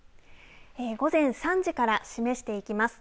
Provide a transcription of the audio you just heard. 午前３時から示していきます。